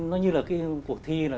nó như là cái cuộc thi